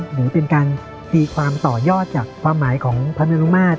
หรือเป็นการตีความต่อยอดจากความหมายของพระเมรุมาตร